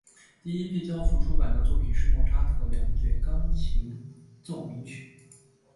第一批交付出版的作品是莫扎特的两卷钢琴奏鸣曲。